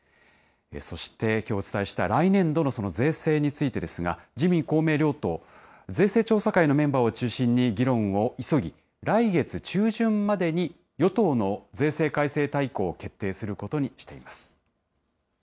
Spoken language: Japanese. そしてきょう、お伝えした来年度の税制についてですが、自民・公明両党、税制調査会のメンバーを中心に、議論を急ぎ、来月中旬までに与党の税制改正大綱を決定することにしています。